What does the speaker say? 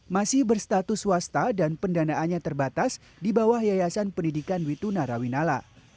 masih berstatus swasta dan pendanaannya terbatas di bawah yayasan pendidikan wituna rawinala